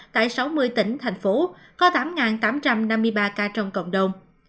tại sáu mươi tỉnh thành phố có tám tám trăm năm mươi ba ca trong cộng đồng